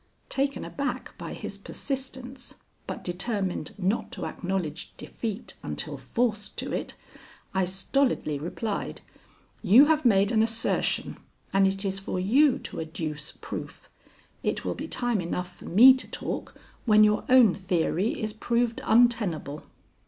Taken aback by his persistence, but determined not to acknowledge defeat until forced to it, I stolidly replied: "You have made an assertion, and it is for you to adduce proof. It will be time enough for me to talk when your own theory is proved untenable."